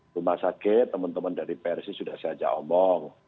rumah sakit teman teman dari prc sudah saya ajak omong